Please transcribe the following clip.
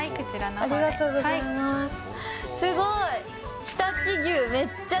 脂すごい。